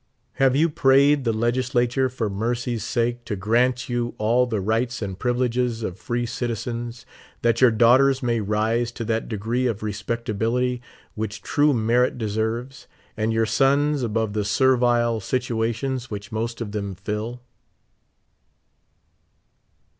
Have you prayed the Legisla ture for merc3^'s sake to grant you all the rights and privileges of free citizens, that your daughters may rise to that degree of respectability which true merit de serves, and your sons above the servile situations which most of them fill?